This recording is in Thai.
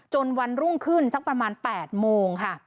วันรุ่งขึ้นสักประมาณ๘โมงค่ะ